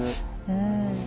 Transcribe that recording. うん。